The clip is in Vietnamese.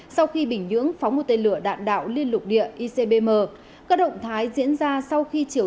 sau khi bình nhưỡng phóng một tên lửa đạn đạo liên lục địa icbm các động thái diễn ra sau khi triều